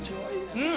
うん！